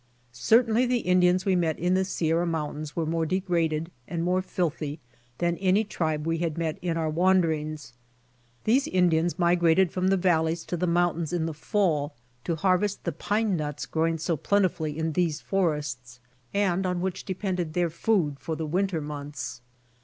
Certainly the Indians we met in the Sierra mountains were more degraded and more filthy than any tribe we had met in our wanderings. Tliese Indians migrated from the val leys to the mountains in the fall to harvest the pine nuts growing so plentifully in these forests, and on which depended their food for the winter months.